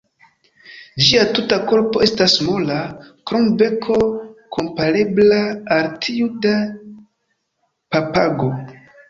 Ĝia tuta korpo estas mola, krom beko komparebla al tiu de papago.